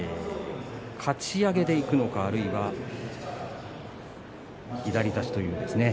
かち上げでいくのかあるいは左差しといいますか。